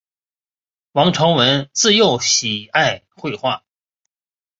王朝闻自幼喜爱绘画。